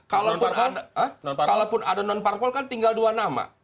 kalaupun ada non parpol kan tinggal dua nama